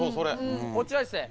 こちらですね